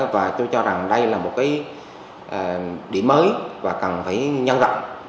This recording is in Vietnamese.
và tôi cho rằng đây là một điểm mới và cần phải nhân dọng